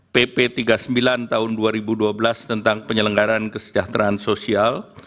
pp tiga puluh sembilan tahun dua ribu dua belas tentang penyelenggaran kesejahteraan sosial